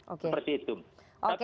oke seperti itu oke